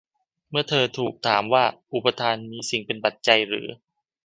เมื่อเธอถูกถามว่าอุปาทานมีสิ่งเป็นปัจจัยหรือ